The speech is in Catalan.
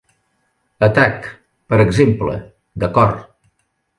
Atac, per exemple, de cor.